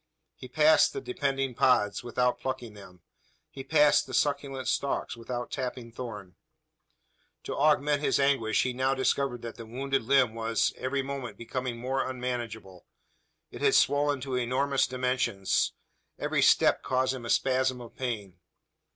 He passed the depending pods, without plucking them. He passed the succulent stalks, without tapping thorn. To augment his anguish, he now discovered that the wounded limb was, every moment, becoming more unmanageable. It had swollen to enormous dimensions. Every step caused him a spasm of pain.